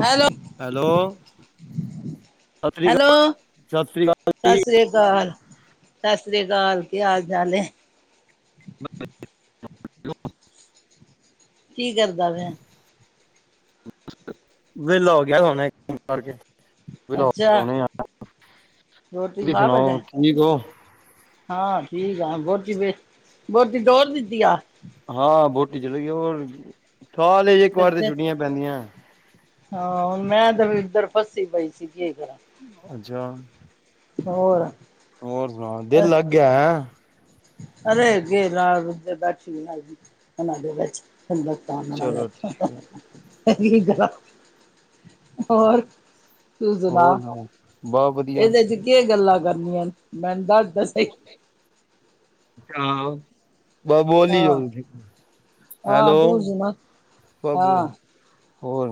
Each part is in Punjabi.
ਹੈਲੋ। ਹੈਲੋ? ਸਤਿ ਸ੍ਰੀ ਹੈਲੋ, ਅਕਾਲ ਸਤਿ ਸ੍ਰੀ ਸਤਿ ਸ੍ਰੀ ਅਕਾਲ, ਸਤਿ ਸ੍ਰੀ ਅਕਾਲ, ਕੀ ਹਾਲ- ਚਾਲ [inaudible] ਕੀ, ਕਰਦਾ ਪਿਆ। ਵਿਹਲਾਂ ਹੋ ਗਿਆ ਹੁਣ ਇਹ ਕਰਕੇ ਣੇ। [unintelligible] ਅੱਛਾ ਰੋਟੀ ਤੁਸੀ, ਖਾ ਸੁਣਾਓ ਬੈਠਾ ਠੀਕ ਹੋ। ਹਾਂ, ਠੀਕ ਆ ਬੋਟੀ ਬੇ ਬੋਟੀ ਤੋਰ ਦਿੱਤੀ ਆ। ਹਾਂ, ਵੋਟੀ ਚਲੀ ਗਈ ਹੋਰ, ਸਾਲ ਇੱਕ ਵਾਰ ਤੇ ਅੱਛਾ ਛੁੱਟੀਆਂ ਪੈਂਦੀਆਂ। ਹਾਂ, ਮੈਂ ਤੇ ਇਧਰ ਉੱਧਰ ਫਸੀ ਪਈ ਸੀ ਕੀ ਕਰਾਂ, ਅੱਛਾ, ਹੋਰ, ਹੋਰ ਸੁਣਾਓ, ਦਿਲ ਲੱਗ ਗਿਆ ਹੈ। ਅਰੇ ਬੈਠੀ ਉਹਨਾਂ ਦੇ ਵਿੱਚ [unintelligible] ਟਾਈਮ ਨਾਲ ਚਲੋ ਠੀਕ ਹੈ ਕਿ ਕਰਾ ਹੋਰ ਤੂੰ ਹੋਰ ਸੁਣਾ? ਸੁਣਾਓ ਬਸ ਵਧੀਆ ਇਹਦੇ ਵਿੱਚ ਕੀ ਗੱਲਾਂ ਕਰਨੀਆਂ ਨੇ ਮੈਨੂੰ ਦੱਸ। [inaudible] ਤਾਂ ਸਹੀ ਬਾਬਾ ਬੋਲੀ ਹਾਂ ਜਾਓ ਜੀ ਤੁਸੀਂ ਹਾਂ ਤੂੰ ਹੈਲੋ, ਸੁਣਾ ਹਾਂ ਹੋਰ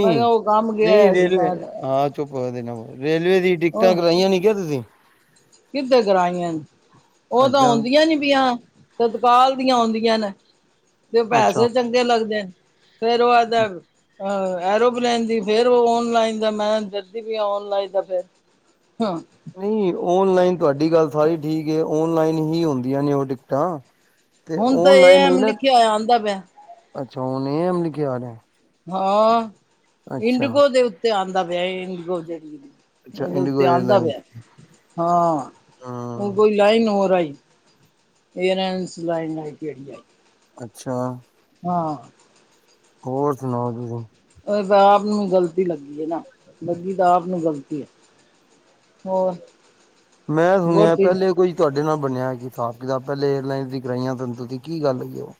ਮੈਂ ਕਿਹਾ ਉਹ ਕੰਮ ਗਿਆ ਨਹੀਂ ਹੋਇਆ ਸੀ ਰੇਲਵੇ ਮੈਂ ਤਾਂ, ਹਾਂ। ਰੇਲਵੇ ਦੀ ਟਿਕਟਾਂ ਕਰਵਾਈਆਂ ਨਹੀਂ ਕੇ ਤੁਸੀਂ ਕਿਧੇ ਕਰਾਈਆਂ ਨੇ ਉਹ ਤਾਂ ਅੱਛਾ ਆਉਂਦੀਆਂ ਨੀ ਪਈਆਂ। ਤਤਕਾਲ ਦੀਆਂ ਆਉਂਦੀਆਂ ਨੇ, ਤੇ ਅੱਛਾ ਪੈਸੇ ਚੰਗੇ ਲੱਗਦੇ ਨੇ ਫੇਰ ਉਹ [inaudible] ਐਰੋਪਲੇਨ ਦੀ ਫੇਰ ਉਹ ਓਨਲਾਈਨ ਦਾ ਮੈਂ [unintelligible] ਔਨਲਾਈਨ ਦਾ ਫਿਰ ਹਾਂ, ਨਹੀਂ ਆਨਲਾਈਨ ਤੁਹਾਡੀ ਗੱਲ ਸਾਰੀ ਠੀਕ ਹੈ। ਆਨਲਾਈਨ ਹੀ ਹੁੰਦੀਆਂ ਨੇ ਉਹ ਟਿਕਟਾਂ। ਤੇ ਹੁਣ ਤਾਂ ਇਹ ਓਨਲਾਈਨ ਹੀ ਐਂਮ ਨਾ ਲਿਖਿਆ ਹੋਈਆਂ ਆਉਂਦਾ ਪਿਆ। ਅੱਛਾ ਹੁਣ ਏ ਐੱਮ ਲਿਖਿਆ ਆ ਰਿਹਾ। ਹਾਂ ਅੱਛਾ। ਇੰਡਗੋ ਦੇ ਉੱਤੇ ਆਉਂਦਾ ਪਿਆ ਇੰਡਕੋ, ਅੱਛਾ ਉਹਦੇ ਇੰਡੀਗੋ ਉੱਤੇ ਆਉਂਦਾ ਏਅਰਲਾਈਨ ਪਿਆ ਹਾਂ ਹੁਣ ਹੂੰ ਕੋਈ ਲਾਈਨ ਹੋਰ ਈ ਏਰਨਸ ਲਾਈਨਈਟ ਕਿਹੜੀ ਏ? ਅੱਛਾ, ਹਾਂ, ਹੋਰ ਸੁਣਾਓ ਤੁਸੀਂ? ਇਹ ਤਾਂ ਆਪ ਨੂੰ ਗ਼ਲਤੀ ਲੱਗੀ ਐ ਨਾ ਲੱਗੀ ਤਾਂ ਆਪ ਨੂੰ ਗ਼ਲਤੀ ਐ। ਹੋਰ, ਮੈਂ ਸੁਣਿਆ ਬਹੁਤੀ ਪਹਿਲੇ ਕੋਈ। ਤੁਹਾਡੇ ਨਾਲ ਬਣਿਆ ਕਿ ਹਿਸਾਬ ਕਿਤਾਬ ਪਹਿਲੇ ਏਅਰਲਾਈਨ ਦੀ ਕਰਾਈਆਂ ਹੁਣ ਤੁਸੀ ਕੀ ਗੱਲ ਹੋਈ? ਓ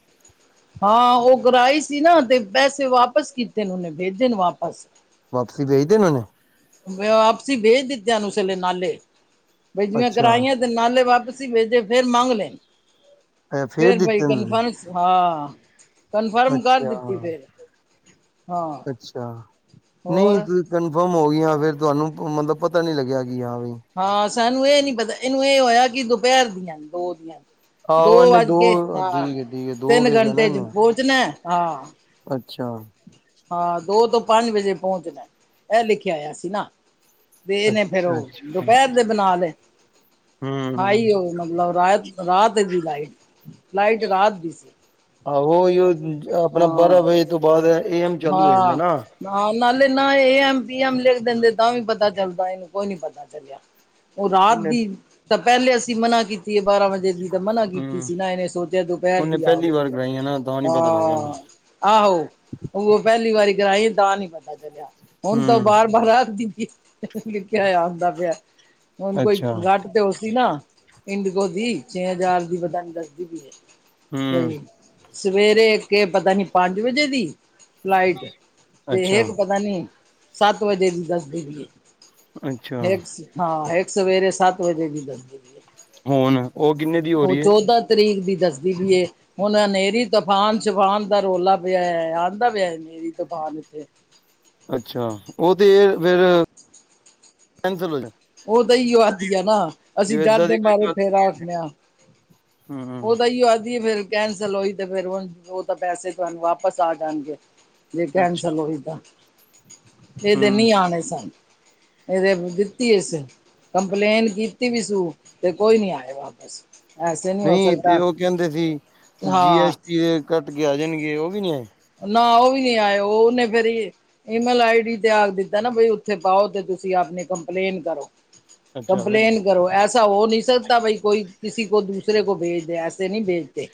ਹਾਂ ਓ ਕਰਾਈ ਸੀ ਨਾ ਤੇ ਪੈਸੇ ਵਾਪਿਸ ਕੀਤੇ ਨੇ ਉਹਨੇ ਭੇਜੇ ਨੇ ਵਾਪਸ। ਵਾਪਸੀ, ਭੇਜ ਦੇ ਉਹਨੇ, ਮੈਂ ਵਾਪਸੀ ਭੇਜ ਦਿੱਤੇ ਉਸ ਵੇਲੇ ਨਾਲੇ ਬਈ ਜਿਵੇਂ ਅੱਛਾ ਕਰਾਈਆਂ। ਨਾਲੇ ਵਾਪਸੀ ਵੇਜੇ ਫੇਰ ਮੰਗ ਲੈਣ ਐ ਫੇਰ ਬਾਈ ਦਿੱਤੇ ਨੇ ਕਨਫਰਮ ਹਾਂ, ਤੁਸੀਂ ਕਨਫਰਮ ਕਰ ਅੱਛਾ। ਦਿੱਤੀ ਫਿਰ ਹਾਂ ਅੱਛਾ ਨਹੀਂ ਹੋਰ। ਤੁਸੀਂ ਕਨਫਰਮ ਹੋ ਗਈਆਂ। ਫੇਰ ਤੁਹਾਨੂੰ ਮਤਲਬ ਪਤਾ ਨੀ ਲੱਗਿਆ ਕੀ ਹਾਂ ਵੀ। ਹਾਂ, ਸਾਨੂੰ ਇਹ ਨੀ ਪਤਾ ਇਹਨੂੰ ਇਹ ਹੋਇਆ ਕਿ ਦੁਪਹਿਰ ਦੀਆਂ ਦੋ ਦੀਆ। ਦੋ ਆਹੋ ਇਹਨੇ ਵੱਜ ਕੇ ਦੋ ਠੀਕ ਹੈ ਠੀਕ ਹੈ ਦੋ ਤਿੰਨ ਵੇਖਿਆ ਨਾ ਘੰਟੇ ਇਹਨੇ ਚ ਪਹੁੰਚਣਾ ਹਾਂ। ਅੱਛਾ, ਹਾਂ, ਦੋ ਤੋਂ ਪੰਜ ਵਜੇ ਪਹੁੰਚਣਾ ਇਹ ਲਿਖਿਆ, ਆਇਆ ਸੀ ਨਾ। ਤੇ ਇਹਨੇ ਫਿਰ ਅੱਛਾ ਉਹ ਅੱਛਾ ਦੁਪਹਿਰ ਦੇ ਬਣਾ ਲੇ, ਹਮ ਆਈ ਹੋ ਉਹ ਮਤਲਬ ਰਾਤ ਦੀ ਲਾਈਟ ਲਾਈਟ ਰਾਤ ਦੀ ਸੀ। ਹਾਂ ਉਹੀ ਆਪਣਾ ਬਾਰਾਂ ਹਾਂ ਵਜੇ੍ ਤੋਂ ਬਾਅਦ। ਐਮ ਚਾਲੂ ਹੋ ਜਾਂਦਾ ਨਾ ਹਾਂ, ਨਾਲੇ ਨਾ ਏ ਐਮ ਪੀ ਐਮ ਲਿਖ ਦਿੰਦੇ ਤਾਂ ਵੀ ਪਤਾ ਚੱਲਦਾ ਇਹਨੂੰ ਕੋਈ ਨੀ ਪਤਾ ਚੱਲਿਆ। ਉਹ ਰਾਤ ਇਹਨੇ ਦੀ ਤਾਂ ਪਹਿਲੇ ਅਸੀਂ ਮਨਾ ਕੀਤੀ ਹੈ ਬਾਰਾਂ ਵਜੇ ਦੀ। ਮਨਾ ਕੀਤੀ ਹਮ ਸੀ ਨਾ ਇਹਨੇ ਸੋਚਿਆ ਦੁਪਹਿਰ ਉਹਨੇ ਦੀ ਆ ਪਹਿਲੀ ਗਈ ਵਾਰ ਕਰਾਈ ਨਾ ਤਾਂ ਨੀ ਪਤਾ ਲੱਗਿਆ ਉਹਨੂੰ ਹਾਂ। ਆਹੋ, ਉਹ ਪਹਿਲੀ ਵਾਰੀ ਕਰਾਈ ਤਾਂ ਨਹੀਂ ਪਤਾ ਚਲਿਆ ਹੁਣ ਤਾਂ ਉਹ ਹਮ ਬਾਰ ਬਾਰ ਆਖਦੀ ਪਈ ਏ। ਲਿਖਿਆ ਹੋਇਆ, ਆਉਂਦਾ ਪਿਆ ਹੁਣ ਕੋਈ ਅੱਛਾ ਗੱਟ ਤੇ ਉਹ ਸੀ ਨਾ ਇੰਡਗੋ ਦੀ ਛੇ ਹਜ਼ਾਰ ਦੀ ਪਤਾ ਨਹੀਂ ਦੱਸਦੀ ਪਈ ਹਮ ਏ। ਸਵੇਰੇ ਕੇ ਪਤਾ ਨੀ ਪੰਜ ਵਜੇ ਦੀ। ਫਲਾਈਟ ਤੇ ਇਹ ਅੱਛਾ ਤੇ ਪਤਾ, ਨਹੀਂ ਸੱਤ ਵਜੇ ਦੀ ਦੱਸ ਦੀ ਪਈ ਏ। ਅੱਛਾ ਹਾਂ ਇੱਕ ਸਵੇਰੇ ਸਤ ਵਜੇ ਦੀ ਦੱਸਦੀ। ਹੁਣ ਉਹ ਕਿੰਨੇ ਦੀ ਹੋ ਉਹ ਰਹੀ ਏ? ਚੌਦਾਂ ਤਰੀਕ ਦੀ ਦੱਸਦੀ ਵੀ ਏ, ਹੁਣ ਹਨੇਰੀ ਤੂਫਾਨ ਸ਼ਫਾਨ ਦਾ ਰੌਲਾ ਪਿਆ ਏ। ਕਹਿੰਦਾ ਵਿਆ ਮੇਰੀ ਦੁਕਾਨ ਉੱਥੇ ਅੱਛਾ, ਉਹ ਤੇ ਫਿਰ ਕੈਂਸਲ ਉਹ ਤਾਂ ਹੀ ਆਦੀ ਆ ਨਾ, ਅਸੀਂ ਜੇ ਏਦਾਂ ਦੀ ਡਰਦੇ ਕੋਈ ਮਾਰੇ ਗੱਲ ਫੇਰ ਹੈਗੀ ਆਖਦੇ ਆਂ। ਹਮ ਉਹ ਤਾਂ ਇ ਆਖਦੀ ਫਿਰ ਕੈਂਸਲ ਹੋਈ, ਤੇ ਫਿਰ ਉਹ ਤਾਂ ਪੈਸੇ ਤੁਹਾਨੂੰ ਵਾਪਸ ਆ ਜਾਣਗੇ। ਜੇ ਅੱਛਾ ਕੈਂਸਲ ਹੋਈ, ਤਾਂ ਇਹਦੇ ਹਮ ਨੀ ਆਣੇ ਸਨ। ਇਹਦੇ ਦਿੱਤੀ ਇਸ ਕੰਪਲੇਨ ਕੀਤੀ, ਵੀ ਸੀ ਤੇ ਕੋਈ ਨੀ ਆਏ, ਵਾਪਿਸ। ਐਸੇ ਨਹੀਂ ਹੋ, ਤੇ ਸਕਦਾ ਉਹ ਕਹਿੰਦੇ ਸੀ, ਜੀ ਹਾਂ ਐਸ ਟੀ ਦੇ ਕੱਟ ਕੇ ਆ ਜਾਣਗੇ, ਉਹ ਵੀ ਨੀ ਆਏ? ਨਾ ਉਹ ਵੀ ਨੀ ਆਏ, ਉਹਨੇ ਫੇਰ ਈਮੇਲ ਆਈ ਡੀ ਤੇ ਆਖ ਦਿੱਤਾ, ਨਾ ਵੀ ਉੱਥੇ ਪਾਓ, ਤੇ ਤੁਸੀਂ ਆਪਣੀ ਕੰਪਲੇਨ ਕਰੋ। ਅੱਛਾ ਫਿਰ ਕੰਪਲੇਨ ਕਰੋ ਐਸ ਤਾਂ ਹੋ ਨਹੀਂ ਸਕਦਾ, ਬਾਈ ਕੋਈ ਕਿਸੀ ਕੋ ਦੂਸਰੇ ਕੋ ਭੇਜ ਦੇ ਐਸੇ ਨਹੀਂ ਭੇਜਦੇ।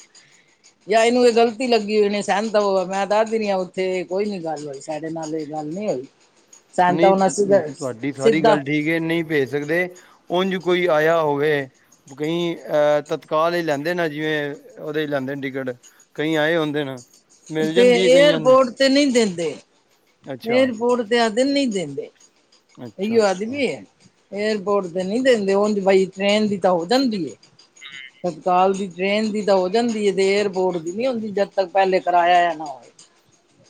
ਜਾਂ ਇਹਨੂੰ ਇਹ ਗਲਤੀ ਲੱਗੀ, ਹੋਈ ਨੇ ਸਹਿਮ ਮੈਂ ਦੱਸਦੀ ਰਹੀ ਆ, ਉੱਥੇ ਕੋਈ ਨੀ ਗੱਲ ਹੋਈ ਸਾਡੇ ਨਾਲ ਇਹ ਗੱਲ ਨਹੀਂ ਹੋਈ ਸੈਂਤਾ ਨਹੀਂ ਹੋਣਾ ਸੀਗਾ ਤੁਹਾਡੀ ਸਾਰੀ ਸਿੱਧਾ। ਗੱਲ ਠੀਕ ਨਹੀਂ ਭੇਜ ਸਕਦੇ, ਉਝ ਕੋਈ ਆਇਆ ਹੋਵੇ। ਕਈ ਅਹ ਤਤਕਾਲ ਲਈ ਲੈਂਦੇ ਨੇ, ਜਿਵੇਂ ਉਹਦੇ ਲੈਂਦੇ ਨੇ ਟਿਕਟ। ਕਈ ਆਏ ਹੁੰਦੇ ਨੇ। ਮਿਲ ਤੇ ਜਾਂਦੀ ਹੈ ਕਈਆਂ ਨੂੰ ਏਅਰਪੋਰਟ ਤੇ ਨਹੀਂ ਦਿੰਦੇ, ਅੱਛਾ ਏਰਪੋਰਟ ਤੇ ਆਖਦੇ ਨਹੀਂ ਦਿੰਦੇ। ਅੱਛਾ ਇਹੀਓ ਅੱਛਾ ਆਦਮੀ ਏਅਰਪੋਰਟ ਤੇ ਨਹੀਂ ਦਿੰਦੇ, ਉਹ ਬਾਈ ਟ੍ਰੇਨ ਦੀ ਤਾਂ ਹੋ ਜਾਂਦੀ। ਤਤਕਾਲ ਦੀ ਟ੍ਰੇਨ ਦੀ ਤਾਂ ਹੋ ਜਾਂਦੀ ਹੈ, ਤੇ ਏਅਰਪੋਰਟ ਦੀ ਨੀ ਹੁੰਦੀ, ਜਦ ਤੱਕ ਪਹਿਲੇ ਕਰਇਆ ਨਾ,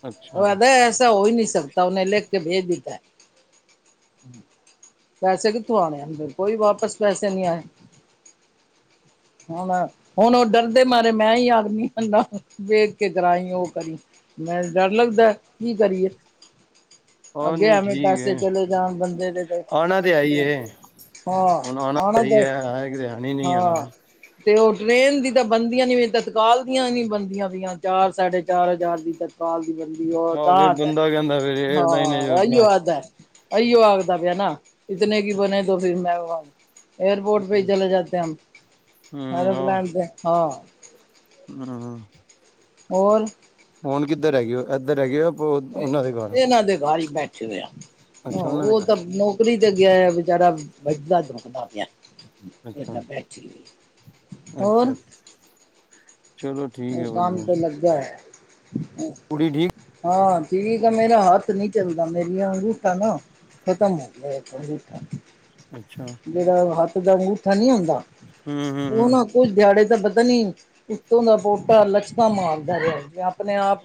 ਅੱਛਾ ਹੋ ਐਸਾ ਹੋ ਹੀ ਨਹੀਂ ਸਕਦਾ, ਉਹਨੇ ਲਿਖ ਕੇ ਭੇਜ ਦਿੱਤਾ। ਪੈਸੇ ਕਿੱਥੋਂ ਆਣੇ ਏ ਕੋਈ ਵਾਪਸ ਪੈਸੇ ਨੀ ਆਣੇ। ਹੁਣ-ਹੁਣ ਉਹ ਡਰਦੇ ਮਾਰੇ ਮੈਂ ਹੀ ਆਦਮੀ ਰ ਕਰਾਈ, ਉਹ ਕਰੀ ਮੈਂ ਡਰ ਲੱਗਦਾ ਕੀ ਕਰੀਏ? ਆਹ ਅੱਗੇ ਨਹੀਂ ਐਵੇਂ ਠੀਕ ਪੈਸੇ ਹੈ ਚਲੇ ਜਾਣ ਬੰਦੇ ਦੇ ਤੇ, ਆਉਣਾ ਤੇ ਆਈ ਹੈ ਹਾਂ, ਹੁਣ ਆਉਣਾ ਆ ਨਾ ਸਹੀ ਜਾਏ ਹੈ ਹੈ ਕਿਤੇ ਹੈ ਨਹੀਂ ਆਉਣਾ ਹਾਂ। ਤੇ ਉਹ ਟ੍ਰਰੇਨ ਦੀ ਤਾਂ ਬਣਦੀਆਂ, ਨੀ ਤਤਕਾਲ ਦੀਆਂ ਨੀ ਬਣਦੀਆਂ ਪੀਆਂ। ਚਾਰ ਸਾਢੇ ਚਾਰ ਹਜ਼ਾਰ ਦੀ ਤੱਕ ਦੀ ਬੰਦੀ ਉਹ ਆਹ ਫਿਰ ਤਾਂ ਬੰਦਾ ਕਹਿੰਦਾ ਫਿਰ ਹਾਂ ਏਅਰਲਾਈਨ ਜੋ ਆਹੀਅ ਆਪਣਾ ਆਦਾ। ਅਈਓ ਆਖਦਾ ਪਿਆ, ਨਾ ਇਤਨੇ ਕੀ ਬਣੇ ਤੋ ਫਿਰ ਮੈਂਨ ਏਅਰਪੋਰਟ ਪੇ ਹੀ ਚਲੇ ਜਾਤੇ ਹਾਂ। ਹਮ ਆਹ ਹੂੰ, ਹੋਰ? ਹੁਣ ਕਿੱਧਰ ਹੈਏ ਹੋ, ਇੱਧਰ ਹੈਗੇ ਹੋ। ਇਹਨਾਂ ਦੇ ਬਾਹਰ ਹੀ ਬੈਠੇ ਅੱਛਾ ਉਹਨਾਂ ਦੇ ਉਹ ਘਰ, ਤਾਂ ਨੌਕਰੀ ਤੇ ਗਿਆ, ਵਿਚਾਰਾ ਵੱਜਦਾ ਦੁਕਦਾ ਪਿਆ। ਇਹ ਅੱਛਾ, ਤਾਂ ਬੈਠੀ, ਹੋਰ ਅੱਛਾ ਚਲੋ ਠੀਕ ਉਹ ਐ ਕੰਮ ਵਧੀਆ, ਤੇ ਲੱਗਿਆ ਹੋਇਆ। ਕੁੜੀ ਠੀਕ। ਹਾਂ, ਠੀਕ ਆ ਮੇਰਾ ਹੱਥ ਨਹੀਂ ਚੱਲਦਾ, ਮੇਰੀਆਂ ਅੰਗੂਠਾ ਨਾ ਖਤਮ ਹੋ ਗਿਆ ਏ [unintelligible] ਅੱਛਾ। ਜਿਹੜਾ ਹੱਥ ਦਾ ਅੰਗੂਠਾ ਨਹੀਂ ਹੁੰਦਾ, ਹੂੰ, ਹੂੰ, ਉਹ ਹੂੰ ਨਾ ਕੁਝ ਦਿਹਾੜੇ ਤਾਂ ਪਤਾ ਨੀ ਉਤੋਂ ਦਾ ਪੋਟਾ ਲੱਤਾਂ ਮਾਰਦਾ ਰਿਹਾ ਜ ਆਪਣੇ ਆਪ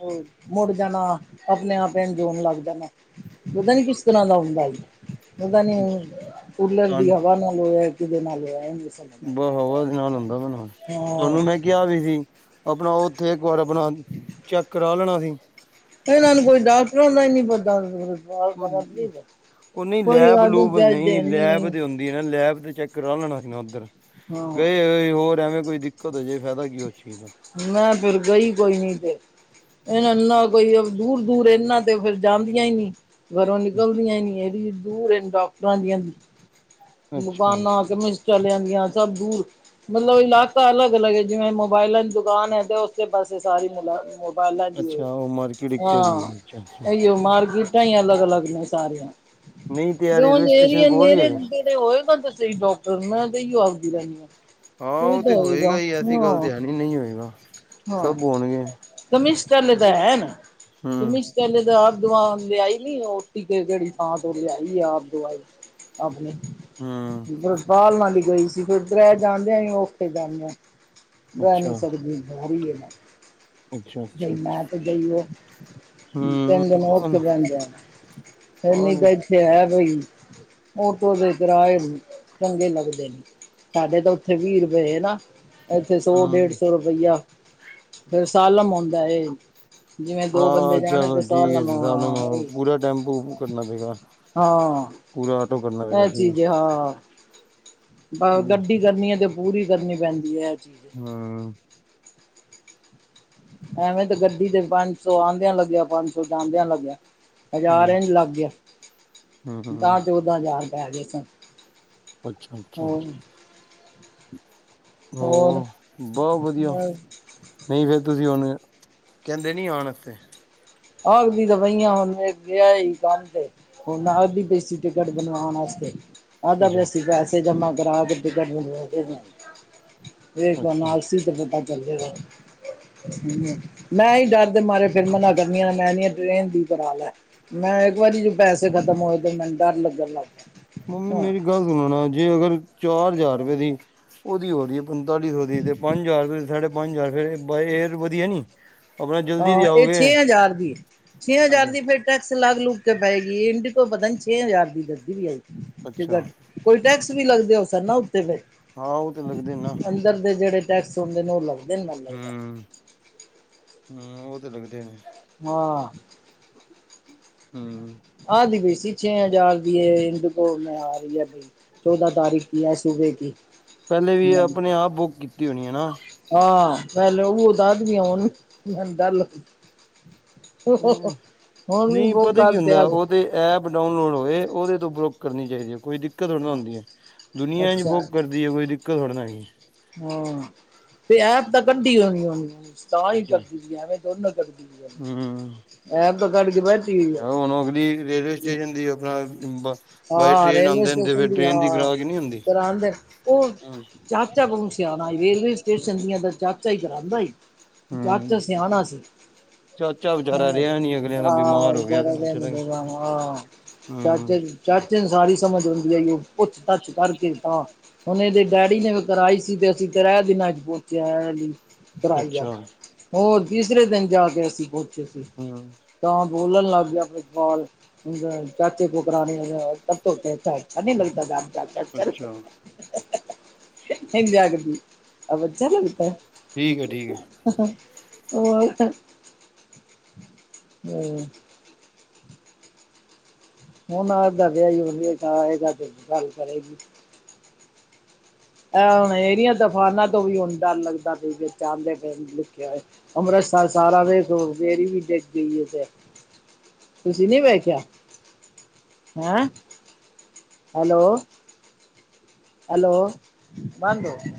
ਮੁੜ ਜਾਣਾ, ਆਪਣੇ ਆਪ ਐਣ ਜੋਣ ਲੱਗ ਜਾਣਾ, ਪਤਾ ਨੀ ਕਿਸ ਤਰ੍ਹਾਂ ਦਾ ਹੁੰਦਾ। ਪਤਾ ਨੀ ਕੁਲਰ ਦੀ ਤੁਹਾਨੂੰ ਹਵਾ ਨਾਲ ਹੋਇਆ, ਕਿਦੇ ਨਾਲ ਹੋਇਆ। ਬਾ ਹਵਾ ਨਾਲ ਹੁੰਦਾ ਹੋਣਾ ਆਇਆ ਹਾਂ ਤੁਹਾਨੂੰ ਮੈਂ ਕਿਹਾ ਵੀ ਸੀ, ਆਪਣਾ ਉੱਥੇ ਇੱਕ ਵਾਰ ਆਪਣਾ ਚੈੱਕ ਕਰਾ ਲੈਣਾ ਸੀ। ਇਹਨਾਂ ਨੂੰ ਕੋਈ ਡਾਕਟਰ ਦਾ ਨੀ ਪਤਾ ਹੁੰਦ ਸਮਝ [unintelligible] ਉਹ ਨਹੀਂ ਕੋਈ ਲੈਬ ਗੱਲ ਨਹੀਂ ਲੂਬ ਕੈਸ ਦੇਣੀ ਲੈਬ ਨਹੀਂ। ਤੇ ਹੁੰਦੀ ਨਾ ਲੈਬ ਤੇ ਚੈੱਕ ਕਰਾ ਲੈਣਾ ਸੀ, ਨਾ ਉੱਧਰ ਹਾਂ ਗਏ ਹੋ ਹੋਰ ਐਵੇਂ, ਕੋਈ। ਇੱਕ, ਦੋਂ ਜੇ ਫਾਇਦਾ ਕੀ ਉਹ ਚੀਜ਼ ਦਾ। ਮੈਂ ਫੇਰ, ਗਈ ਕੋਈ ਨੀ ਫੇਰ। ਇਨਾ ਨੂੰ ਨਾ ਕੋਈ ਦੂਰ- ਦੂਰ ਇਨਾਂ ਤੇ ਫਿਰ ਜਾਂਦੀਆਂ ਹੀ ਨਹੀਂ। ਘਰੋਂ ਨਿਕਲਦੀਆਂ ਨਹੀਂ, ਇਹੜ ਦੂਰ ਇਹ ਡਾਕਟਰਾਂ ਦੀਆਂ ਅੱਛਾ। ਬਾਨਾ ਕਿਵੇ [unintelligible] ਚੱਲ ਜਾਂਦੀਆਂ ਸਭ ਦੂਰ ਮਤਲਬ ਇਲਾਕਾ ਅਲੱਗ- ਅਲੱਗ ਹੈ, ਜਿਵੇਂ ਮੋਬਾਇਲਾਂ ਦੀ ਦੁਕਾਨ ਹੈ ਤੇ ਤੇ ਬਸ ਇਹ ਸਾਰੀ ਕਮਾਈ ਮੋਬਾਇਲਾ ਦੀ ਏ ਅੱਛਾ ਉਹ ਮਾਰਕੀਟ ਇੱਕੋ ਜਿਹੀ ਐ, ਅੱਛਾ-ਅੱਛਾ। ਹਾਂ ਈਓ ਮਾਰ ਗੀ। ਤਈਆਂ ਅਲੱਗ- ਅਲੱਗ ਨੇ ਸਾਰੀਆਂ। ਨਹੀਂ ਤੇ ਆ ਕਿਉਂ ਰੇਲਵੇ ਸਟੇਸ਼ਨ ਮੇਰੀਏ ਕੋਲ ਹੀ ਨੇਰੇ ਹੈਗਾ। ਜਹ, ਉਹ ਨਾ ਦੱਸੋ ਡਾਕਟਰ ਤੇਈ ਆਪਦੀ ਰਹਿੰਦੀ ਆ। ਹਾਂ, ਉਹ ਤੇ ਹੋਏਗਾ ਹੀ, ਐਸੀ ਗੱਲ ਤੇ ਹੈ ਨੀ ਨਹੀਂ ਹੋਏਗਾ ਸਭ ਹੋਣਗੇ। ਕਮਿਸ਼ਟਰੱਲ ਦਾ ਹੈ, ਨਾ ਹੂੰ ਕਮਿਸ਼ਟਰੱਲ ਦਾ ਦਵਾ ਲਿਆਈ ਨੀ, ਉਹ ਟੀਕੇ ਜਹੜੀ ਥਾਂ ਤੋਂ ਲਿਆਈ ਆ ਆਪ ਦਵਾਈ ਆਪਣੇ ਹੂੰ। ਬਭਾਲ ਨਾਲੀ ਗਈ ਸੀ, [unintelligible] ਫਿਰ ਉਧਰਹਿ ਜਾਂਣਦੇਿਆਂ ਉੱਥੇ ਜਾਂਦੇ ਆ। ਬੈ ਨੀ ਅੱਛਾ ਸਕਦੀ, ਭਾਰੀ ਏ ਨਾ। ਅੱਛਾ ਜਈ, ਅੱਛਾ ਮੈਂ ਤੇ ਜਈ ਉਹ, ਹੂੰ ਤਿੰਨ ਦਿਨ ਔਖ ਕੌਣ ਬੇਂਦਾ। ਫਨੀ, ਕੌਣ ਤਾਂ ਹੂੰ ਇੱਥੇ ਹੈ ਪਈ। ਕਰਾਏ ਵੀ ਚੰਗੇ ਲੱਗਦੇ ਨੇ, ਸਾਡੇ ਤਾਂ ਉੱਥੇ ਵੀਹ ਰੁਪਏ ਨਾ। ਇੱਥੇ ਸੌ ਡੇਢ ਸੌ ਰੁਪਈਆ, ਫੇਿਰ ਸਾਲਮ ਆਉਂਦਾ। ਜਿਵੇਂ ਦੋ ਹਾਂ ਬੰਦੇ ਅੱਛਾ ਜਾਣੇ, ਤੇ ਠੀਕ ਸਾਲਮ ਹੈ ਆ ਦਾਨਵ ਓਈ। ਪੂਰਾ ਟੈਂਪੂ ਕਰਨਾ ਪਏਗਾ ਹਾਂ। ਪੂਰਾ ਆਟੋ ਕਰਨਾ ਪਏਗਾ ਇਹ ਚੀਜ਼ ਠੀਕ ਏ, ਹਾਂ। ਹਾਂ ਹੂੰ ਗੱਡੀ ਕਰਨੀ ਹੈ, ਤੇ ਪੂਰੀ ਕਰਨੀ ਪੈਂਦੀ ਹੈ ਇਹ ਚੀਜ਼। ਹਾਂ। ਐਵੇਂ ਤੇ ਗੱਡੀ ਤੇ ਪੰਜ ਸੌ ਆਉਂਦਿਆਂ ਲੱਗਿਆ, ਪੰਜ ਸੌ ਜਾਂਦਿਆਂ ਲੱਗਿਆ। ਹਜ਼ਾਰ ਇੰਝ ਲੱਗ ਗਿਆ, ਹੂੰ ਦਾ- ਚੌਦਾਂ ਹਜ਼ਾਰ ਪੈ ਗਏ ਸਨ। ਅੱਛਾ [unintelligible] ਅੱਛਾ ਹੋਰ ਹੋਰ, ਬਹੁਤ ਵਧੀਆ ਬਸ। ਨਹੀਂ ਫੇਰ ਤੁਸੀਂ ਹੁਣ, ਕਹਿੰਦੇ ਨੀ ਆਉਣ ਵਾਸਤੇ। ਆਖਦੀ ਤੇ ਪਈਆਂ, ਹੁਣ ਵਿ ਹੀ ਕੰਮ ਤੇ ਹੁਣ ਆਖਦੀ ਪੇਸੀ। ਟਿਕਟ ਬਣਵਾਉਣ ਵਾਸਤੇ, ਆਦਾ ਪਿਆ ਅੱਛਾ ਸੀ ਪੈਸੇ ਜਮ ਕਰਾ ਕੇ ਅੱਛਾ [unintelligible] ਮੈਂ ਹੀ ਡਰਦੇ ਮਾਰੇ ਫਿਰ ਮਨਾ ਟਿਕਟਾਂ ਲੇ ਲੀਆ ਟ੍ਰੇਨ ਦੀ ਕਰਾ ਲੈ ਮੈਂ ਇੱਕ ਵਾਰੀ ਜੋ ਪੈਸੇ ੇ ਖਤਮ ਹੋਏ ਤੇ, ਮੈਨੂੰ ਡਰ ਲੱਗਣ ਲੱ ਮੰਮੀ, ਮੇਰੀ ਗੱਲ ਸੁਣਣਾ, ਜੇ ਅਗਰ ਚਾਰ ਹਜ਼ਾਰ ਰੁਪਏ ਦੀ ਉਹਦੀ ਹੋ ਰੀ ਹੈ ਪੰਤਾਲੀ ਸੌ ਦੀ ਤੇ ਪੰਜ ਹਜ਼ਾਰ, ਸਾਢੇ ਪੰਜ ਹਜ਼ਾਰ ਰੁਪਏ ਫਿਰ ਏਅਰ ਵਧੀਆ ਨੀ। ਆਪਣਾ ਜਲਦੀ ਤੇ ਹਾਂ, ਇਹ ਆਓਗੇ ਛੇ ਹਜ਼ਾਰ ਦੀ, ਛੇ ਹਜ਼ਾਰ ਹਾਂਜੀ ਦੀ ਫੇਿਰ ਟੈਕਸ ਲਾਗ ਲੁਗ ਕੇ ਪਏਗੀਈ, ਇੰਡੀ ਕੋ ਪਤਾ ਨੀ ਛੇ ਹਜ਼ਾਰ ਦੀ ਦਸਦੀ ਵੀ ਆ ਈ ਅੱਛਾ ਟਿਕਟ। ਕੋਈ ਟੈਕਸ ਵੀ ਲੱਗਦੇ ਹੋ ਸਰ, ਨਾ ਉੱਥਤੇ ਫੇਰ। ਹਾਂ, ਉਹ ਤੇ ਲੱਗਦੇ ਨੇ ਨਾ। ਉਧਰ ਦੇ ਜਿਹੜੇ ਟੈਕਸ ਹੁੰਦੇ ਨੇ ਉਹ ਲੱਗਦੇ। ਨੇ ਮੈਨੂੰ ਲੱਗਦਾ ਹੂੰ, ਹੂੰ ਉਹ ਤੇ ਲੱਗਦੇ ਨੇ। ਹਾਂ। ਹੂੰ। ਆਦੀ ਪਣੀ ਸੀ ਛੇ ਹਜ਼ਾਰ ਦੀ, ਹਿੰਦੂਕ ਮੈਂ ਆ ਰਹੀ ਹੈ ਬਾਈ। ਚੌਦਾਂ ਤਾਰੀਖ ਕੀ ਹੈ, ਸੂਬੇ ਕੀ। ਪਹਿਲੇ ਵੀ ਆਪਣੇ ਆਪ ਬੁੱਕ ਕੀਤੀ। ਟੀ ਹੋਣੀ ਹੈ ਨਾ। ਹਾਂ ਪਹਿਲ ਉਹ ਦਸ ਦੀਆਂ, ਹੁਣ ਡਰ ਲੱਗਦੇ। ਆਪਣੇ ਹੁਣ ਵੀ ਨਹੀਂ ਬਹੁ ਪਤਾ ਕੀ ਕਰਦੇ ਹੁੰਦਾ ਆੱਜ। ਉਹ ਐਪ ਡਾਊਨਲੋਡ ਹੋਏ ਉਹਦੇ ਤੋਂ ਬਰੁਕ ਕਰਨੀ ਚਾਹੀਦੀ ਹੈ। ਕੋਈ ਦਿੱਕਤ ਥੋੜੀ ਨਾ ਹੁੰਦੀ ਹੈ। ਦੁਨੀਆਂ ਇੰਜ ਅੱਛਾ ਬੂਕ ਕਰਦੀ ਹੈ, ਕੋਈ ਦਿੱਕਤ ਥੋੜੀ ਨਾ ਹੈਗੀ ਹੈ। ਹਾਂ। ਤੇ ਐਪ ਤਾਂ ਕੱਢੀ ਹੋਣੀ, ਤਾਂ ਹੀ ਕਰਦੀ ਦੀ ਐਵੇਂ ਥੋੜੀ ਨਾ ਕਰਦੀ ਏ। ਐ ਤਾਂ ਕੱਢ ਕੇ ਬ- ਜਾਂ ਓਹ ਹੁਣ ਅਗਲੀ ਰੇਲਵੇ ਸਟੇਸ਼ਨ, ਦੀ ਆਪਣਾ। ਬਾਈ ਹਾਂ ਟ੍ਰੇਨ ਆਉਂਦੇ ਹੋਣ ਦੇ ਫੇਰ ਟ੍ਰੇਨ ਦੀ ਕਰਾ ਕੇ ਨੀ ਹੁੰਦੀ। ਡਾਲ ਦੇ ਰ ਉਹ। ਚਾਚਾ ਕੋਲੋਂ ਸਿਆਣਾ, ਰੇਲਵੇ ਸਟੇਸ਼ਨ ਦੀਆਂ ਤਾਂ ਚਾਚਾ ਹੀ ਕਰਉਦਾ ਈ। ਚਾਚ ਹੂੰ ਸਿਆਣਾ ਸੀ। ਚਾਚਾ ਵਿਚਾਰਾ ਰਿਹਾ ਨੀ ਅਗਲਿਆਂ ਦਾ ਆਹ ਬਿਮਾਰ ਵਿ ਹੋ ਗਿਆ ਚਾਰਾ ਅਗਲਾ ਚਲਾ ਭ ਗਿਆ। ਆਹਚ ਹੂੰ [unintelligible] ਚਾੱਚੇ ਨੂੰ ਸਾਰੀ ਸਮਂਝ ਆਉਦੀ ਹੈ ਇਹ। ਪੁੱਛ- ਪਾੱਛ ਕਰਕੇ ਤਾ, ਹੁਣ ਇਹਦੇ ਡੈਡੀ ਨੇ ਵੀ ਕਰਾਈ ਸੀ, ਤੇ ਅਸੀਂ। ਤੇਰਹਿ ਦਿਨਾਂੱਜ ਪਹੁੰਚਾਇਆ ਹੈ ਕਰਾਈ ਆ। [unintelligible] ਅੱਛਾ ਹੋਰ ਤੀਸਰੇ ਦਿਨ ਜਾ ਕੇ ਅਸੀਂ ਪਹੁੰਚੇ ਸੀ। ਹੂੰ। ਤਾਂ ਬੋਲਣ ਲੱਗ ਗਿਆ। ਪ੍ਰਿਤਪਾਲ ਵੀ ਚਾਚੇ ਕੋਲ ਕਰਾ ਲੇਗੀ। ਅੱਛਾ ਨਹੀਂ ਲੱਗਦਾ ਚਾਚਾ। ਚਾਚਾ ਕੋਲੋਂ ਅੱਛਾ ਕਰਾਈ [unintelligible] ਇੰਜ ਆਖਦੀ, ਅਬ ਅੱਛਾ ਲੱਗਦਾ ਹੈ। ਠੀਕ ਹੈ ਠੀਕ ਹੈ। ਹੋਰ, ਹੂੰ। ਹੁਣ ਆਪਦਾ ਵਿਆਹ ਹੋ ਰਿਹਾ, ਆਏਗਾ ਤੇ ਗੱਲ ਕਰੇਗੀ। ੁ ਇਹਰੀਆਂ, ਤਫਾਨਾਂ ਤੋਂ ਵੀ ਹੁਣ ਡਰ ਲੱਗਦਾ ਪਿਆ ਹੈ। ਵਿੱਚ ਆਉਂਦੇ ਪਏ ਨੀ ਲਿਖਿਆ। ਅੰਮ੍ਰਿਤਸਰ ਸਾਰਾ ਵੇਖ ਲੋ, ਫੇਰੀ ਵੀ ਡਿੱਗ ਗਈ ਉਥੇ। ਤੁਸੀਂ ਨੀ ਵੇਖਿਆ, ਹੈਂ। ਹੈਲੋ। ਹੈਲੋ, ਬੰਦ ਹੋ ਗਿਆ।